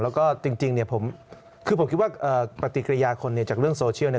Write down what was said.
แล้วก็จริงคือผมคิดว่าปฏิกิริยาคนจากเรื่องโซเชียล